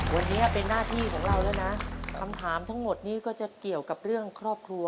วันนี้เป็นหน้าที่ของเราแล้วนะคำถามทั้งหมดนี้ก็จะเกี่ยวกับเรื่องครอบครัว